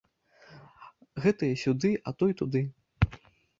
Гэтыя сюды, а той туды.